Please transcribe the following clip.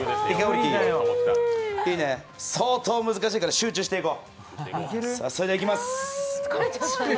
相当難しいから、集中していこう。